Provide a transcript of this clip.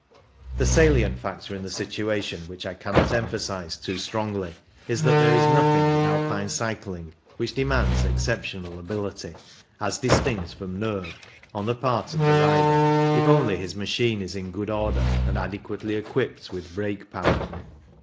The salient factor in the situation which I cannot emphasise too strongly is that there is nothing in Alpine cycling which demands exceptional ability, as distinct from nerve, on the part of the rider, if only his machine is in good order and adequate ly equipped with brake power.